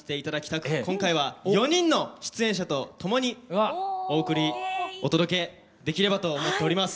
今回は４人の出演者と共にお送りお届けできればと思っております。